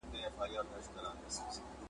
هره شېبه ولګېږي زر شمعي ,